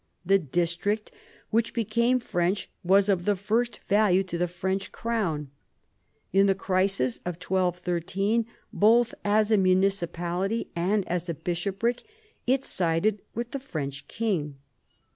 The district which became French was of the first value to the French crown. In the crisis of 1213, both as a municipality and as a bishopric, it sided with the French king.